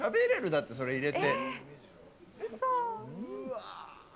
だって、それ入れて。